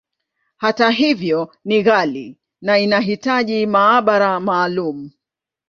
Hata hivyo, ni ghali, na inahitaji maabara maalumu.